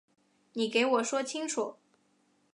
你给我说清楚